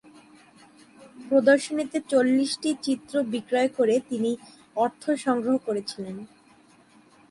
প্রদর্শনীতে চল্লিশটি চিত্র বিক্রয় করে তিনি অর্থ সংগ্রহ করেছিলেন।